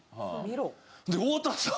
見ろ？